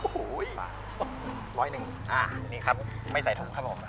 โอ้โหร้อยหนึ่งอ่านี่ครับไม่ใส่ถุงครับผม